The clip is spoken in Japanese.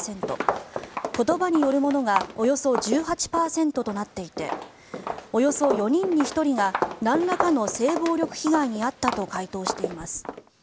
言葉によるものがおよそ１８％となっていておよそ４人に１人がなんらかの性暴力被害に遭ったと回答しています。